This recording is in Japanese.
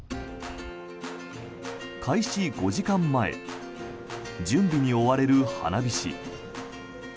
開始５時間前準備に追われる花火師。